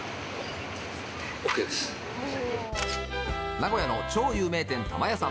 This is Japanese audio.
名古屋の超有名店、玉屋さん。